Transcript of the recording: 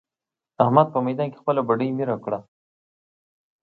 احمد په ميدان کې خپله بېډۍ مير کړه.